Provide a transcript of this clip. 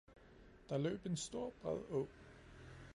Der løb en stor, bred å.